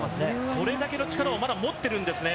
それだけの力をまだ持っているんですね。